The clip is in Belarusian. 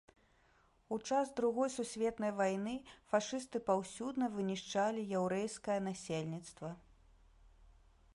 У час другой сусветнай вайны фашысты паўсюдна вынішчалі яўрэйскае насельніцтва.